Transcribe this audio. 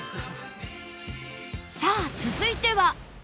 さあ続いては